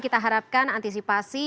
kita harapkan antisipasi